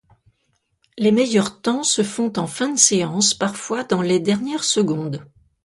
Les meilleurs temps se font en fin de séance, parfois dans les dernières secondes.